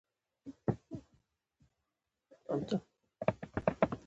ورنیز کالیپر له فشار، ضربې او غورځولو څخه ساتل کېږي.